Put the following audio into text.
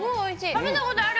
食べたことある！